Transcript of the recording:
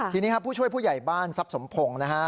ทีนี้ครับผู้ช่วยผู้ใหญ่บ้านซับสมพงศ์